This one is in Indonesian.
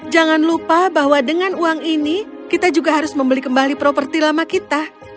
jangan lupa bahwa dengan uang ini kita juga harus membeli kembali properti lama kita